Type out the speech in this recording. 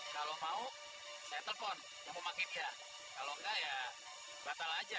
kalau mau saya telepon mau pakai dia kalau enggak ya batal aja